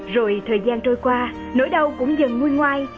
rồi thời gian trôi qua nỗi đau cũng dần nguôi ngoai